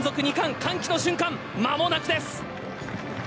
歓喜の瞬間、間もなくです。